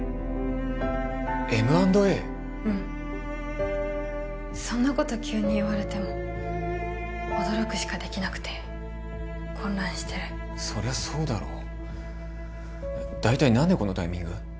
うんそんなこと急に言われても驚くしかできなくて混乱してるそりゃそうだろ大体何でこのタイミング？